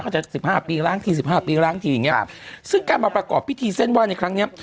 เขาจะ๑๕ปีล้างที๑๕ปีล้างทีอย่างนี้ซึ่งกันมาประกอบพิธีเส้นว่าในครั้งนี้